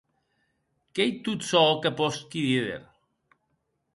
Qu’ei tot çò que posqui díder.